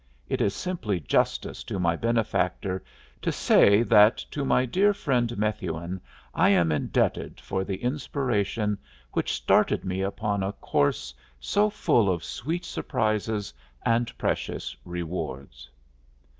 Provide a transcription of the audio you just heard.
It is simply justice to my benefactor to say that to my dear friend Methuen I am indebted for the inspiration which started me upon a course so full of sweet surprises and precious rewards.